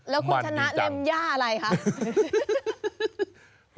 แล้วคุณชนะเล็มย่าอะไรคะ